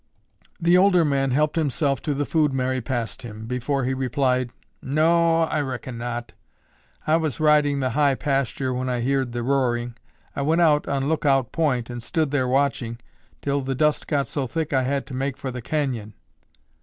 The older man helped himself to the food Mary passed him, before he replied, "No o, I reckon not. I was riding the high pasture when I heerd the roaring. I went out on Lookout Point and stood there watching, till the dust got so thick I had to make for the canyon."